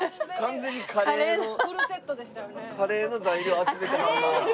カレーの材料集めてはるな。